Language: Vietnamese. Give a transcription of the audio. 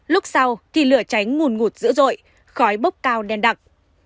lúc sau thì lửa cháy ngùn ngụt dữ dội khói bốc cao đen đặc